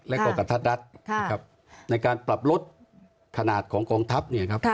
และกอปกรัฐรัฐในการปรับลดขนาดของกองทัพ